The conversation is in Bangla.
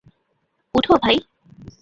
উঠো, ভাই।